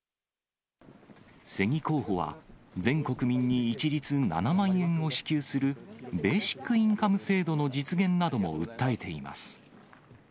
瀬木候補は、全国民に一律７万円を支給するベーシックインカム制度の実現なども訴えています。